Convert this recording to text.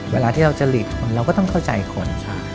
เวลาที่เราจะผลิตคนเราก็ต้องเข้าใจคน